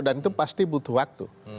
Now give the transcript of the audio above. dan itu pasti butuh waktu